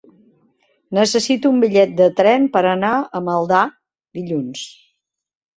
Necessito un bitllet de tren per anar a Maldà dilluns.